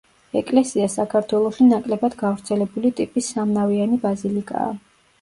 ეკლესია საქართველოში ნაკლებად გავრცელებული ტიპის სამნავიანი ბაზილიკაა.